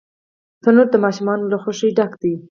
تنور د ماشومانو له خوښۍ ډک دی